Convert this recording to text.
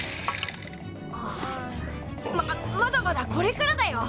ままだまだこれからだよ！